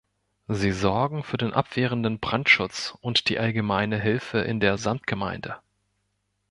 Sie sorgen für den abwehrenden Brandschutz und die allgemeine Hilfe in der Samtgemeinde.